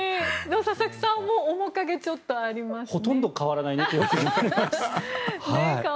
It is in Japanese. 佐々木さんも面影ちょっとありますね。